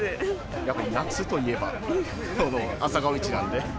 やっぱり夏といえばの朝顔市なんで。